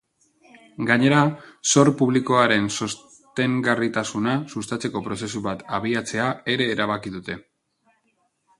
Gainera, zor publikoaren sostengarritasuna sustatzeko prozesu bat abiatzea ere erabaki dute.